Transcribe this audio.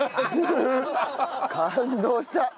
感動した！